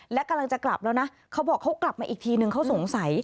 และกำลังจะกลับแล้วนะเขาบอกเขากลับมาอีกทีนึงเขาสงสัย